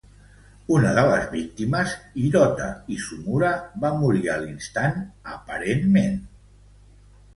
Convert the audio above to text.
Una de les víctimes, Hirota Isomura, va morir a l'instant aparentment.